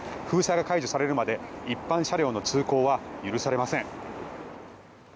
封鎖が解除されるまで一般車両の通行は許されません。